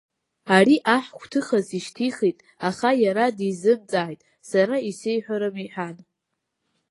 Ари аҳ гәҭыхас ишьҭихит, аха иара дизымҵааит, сара исеиҳәарым иҳәан.